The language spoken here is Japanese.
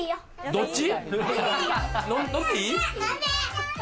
どっち？